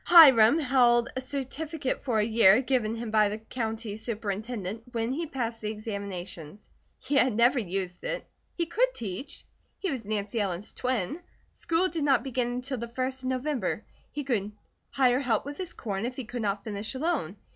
Hiram held a certificate for a year, given him by the County Superintendent, when he passed the examinations. He had never used it. He could teach; he was Nancy Ellen's twin. School did not begin until the first of November. He could hire help with his corn if he could not finish alone.